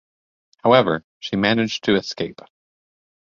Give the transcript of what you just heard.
However, she managed to escape.